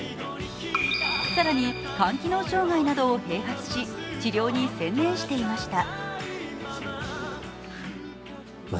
更に肝機能障害などを併発し、治療に専念していました。